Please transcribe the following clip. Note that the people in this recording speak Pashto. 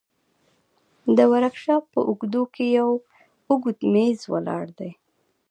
د ورکشاپ په اوږدو کښې يو اوږد مېز ولاړ دى.